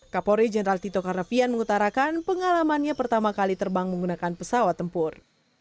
kapolri jenderal tito karnavian mengutarakan pengalamannya pertama kali terbang menggunakan pesawat tempur